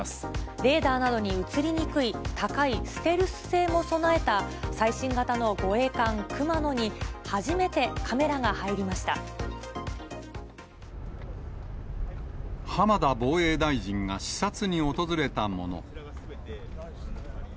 レーダーなどに映りにくい高いステルス性も備えた最新型の護衛艦くまのに、浜田防衛大臣が視察に訪れたもの。